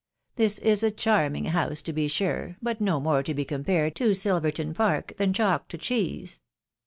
This is a charming house, to be sure, but no more to be compared to Silverton park than chalk to cheese.